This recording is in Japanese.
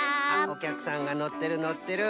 おきゃくさんがのってるのってる。